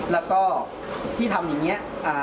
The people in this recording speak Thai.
แล้วก็ที่ทำอย่างนี้